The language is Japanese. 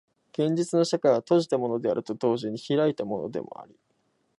現実の社会は閉じたものであると同時に開いたものであり、